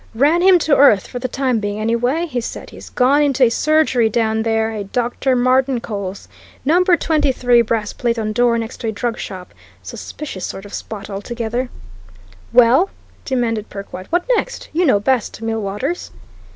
"Ran him to earth for the time being, anyway," he said. "He's gone into a surgery down there a Dr. Martincole's. Number 23 brass plate on door next to a drug shop. Suspicious sort of spot, altogether." "Well?" demanded Perkwite. "What next? You know best, Millwaters."